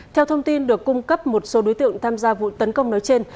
theo thông tin được cung cấp một số đối tượng tham gia vụ tấn công nói trên